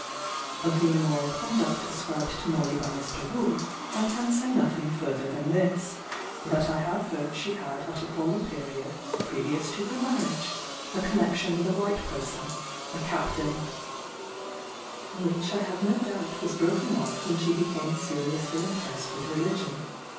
"Of the immoral conduct ascribed to Molly by Mr. Wood, I can say nothing further than this that I have heard she had at a former period (previous to her marriage) a connexion with a white person, a Capt. , which I have no doubt was broken off when she became seriously impressed with religion.